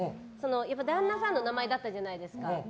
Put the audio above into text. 旦那さんの名前だったじゃないですか。